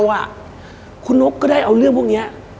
แล้วถ้าพี่แจ็คก็ได้เอาเรื่องพวกนี้